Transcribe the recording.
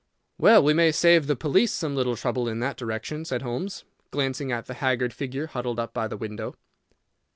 "Well, we may save the police some little trouble in that direction," said Holmes, glancing at the haggard figure huddled up by the window.